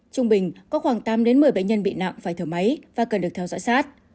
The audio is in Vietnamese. trung bình có khoảng tám một mươi bệnh nhân bị nặng phải thở máy và cần được theo dõi sát